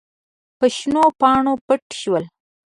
په شنو پاڼو پټ شول.